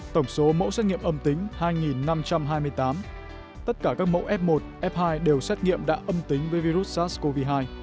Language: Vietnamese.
tổng số mẫu xét nghiệm âm tính hai năm trăm hai mươi tám tất cả các mẫu f một f hai đều xét nghiệm đã âm tính với virus sars cov hai